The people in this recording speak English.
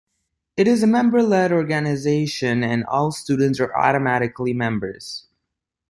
It is a member-led organisation and all students are automatically members.